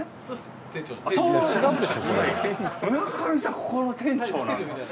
ここの店長なんだ。